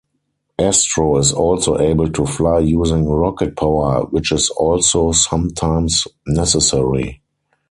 Astro is also able to fly using rocket power, which is also sometimes necessary.